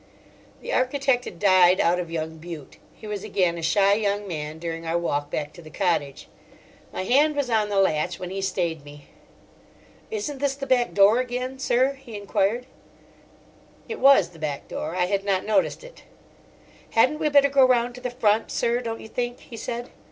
The architect had died out of young Bute; he was again a shy young man during our walk back to the cottage. My hand was on the latch when he stayed me. "Isn't this the back door again, sir?" he enquired. It was the back door; I had not noticed it. "Hadn't we better go round to the front, sir, don't you think?" he said.